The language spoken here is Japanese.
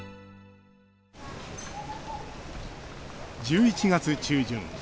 １１月中旬。